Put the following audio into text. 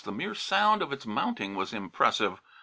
The mere sound of its mounting was impressive.